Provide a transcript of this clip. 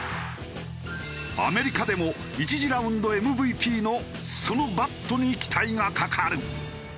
アメリカでも１次ラウンドＭＶＰのそのバットに期待がかかる。